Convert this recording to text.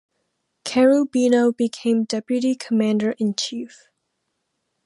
Kerubino became deputy Commander in Chief.